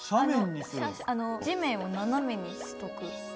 あの地面を斜めにしとく。